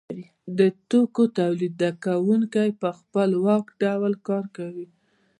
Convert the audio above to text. د توکو تولیدونکی په خپلواک ډول کار کوي